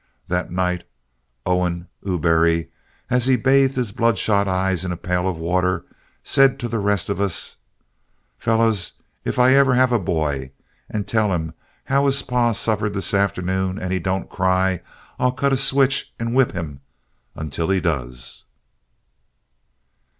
That night Owen Ubery, as he bathed his bloodshot eyes in a pail of water, said to the rest of us: "Fellows, if ever I have a boy, and tell him how his pa suffered this afternoon, and he don't cry, I'll cut a switch and whip him until he does."